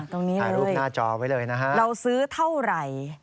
ถ่ายรูปหน้าจอไว้เลยนะฮะเราซื้อเท่าไหร่